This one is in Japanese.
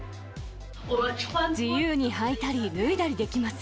自由にはいたり脱いだりできます。